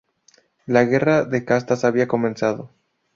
La guerra de castas había comenzado.